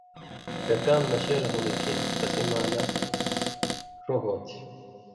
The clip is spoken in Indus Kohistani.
کہ کام نشیل ہون٘د کھیں تسیں معنہ ݜُو ہو تھی۔